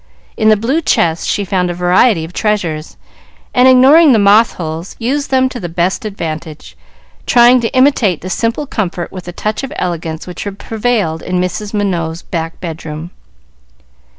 In the blue chest she found a variety of treasures, and ignoring the moth holes, used them to the best advantage, trying to imitate the simple comfort with a touch of elegance which prevailed in Mrs. Minot's back bedroom.